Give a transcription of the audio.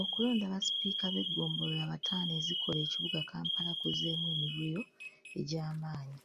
Okulonda basipiika b’eggombolola bataano ezikola ekibuga Kampala kuzzeemu emivuyo egy’amaanyi .